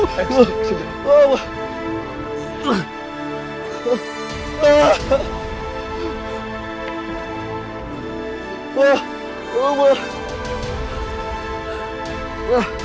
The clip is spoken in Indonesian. kakak saya mau melahirkan pak